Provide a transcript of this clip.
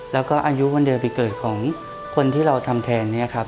และอายุวันเดือบิเกิดของคนที่เราทำแทน